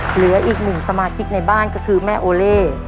เหลืออีกหนึ่งสมาชิกในบ้านก็คือแม่โอเล่